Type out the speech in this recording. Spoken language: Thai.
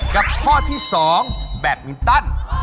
กับข้อที่๒แบตมินตัน